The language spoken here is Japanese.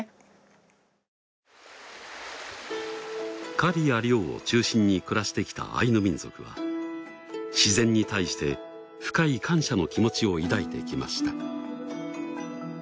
狩りや漁を中心に暮らしてきたアイヌ民族は自然に対して深い感謝の気持ちを抱いてきました。